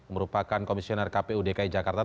merupakan komisioner kp udki jakarta